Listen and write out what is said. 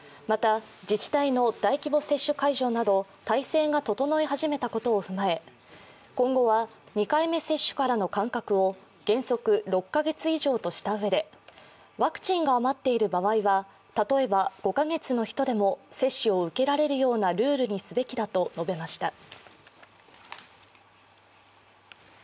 また自治体の大規模接種会場など体制が整い始めたことを踏まえ今後は２回目接種からの間隔を原則６カ月以上としたうえでワクチンが余っている場合は例えば５カ月の人でも接種を受けられるようなルールにすべきだと述べました。